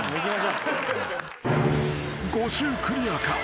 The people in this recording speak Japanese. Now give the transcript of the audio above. ［５周クリアか？